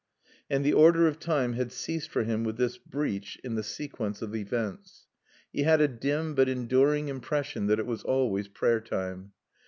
And the order of time had ceased for him with this breach in the sequence of events. He had a dim but enduring impression that it was always prayer time.